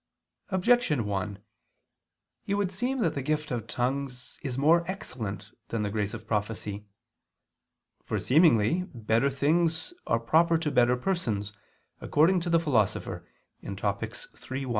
Objection 1: It would seem that the gift of tongues is more excellent than the grace of prophecy. For, seemingly, better things are proper to better persons, according to the Philosopher (Topic. iii, 1).